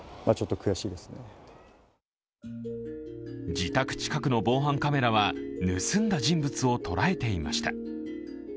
自宅近くの防犯カメラは盗んだ人物を捉えていました。